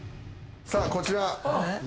さあこちら。